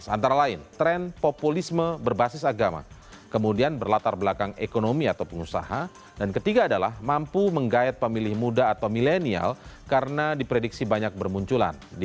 antara lain tren populisme berbasis agama kemudian berlatar belakang ekonomi atau pengusaha dan ketiga adalah mampu menggayat pemilih muda atau milenial karena diprediksi banyak bermunculan